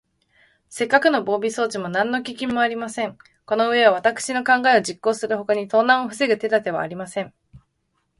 せっかくの防備装置も、なんのききめもありません。このうえは、わたくしの考えを実行するほかに、盗難をふせぐ手だてはありません。